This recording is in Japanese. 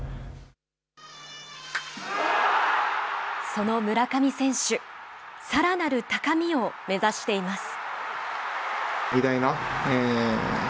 その村上選手、さらなる高みを目指しています。